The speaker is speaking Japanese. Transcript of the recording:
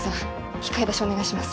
器械出しお願いします